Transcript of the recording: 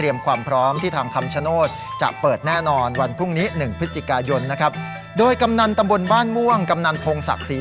ยนต์นะครับโดยกำนันตำบนบ้านม่วงกำนันพงศักษี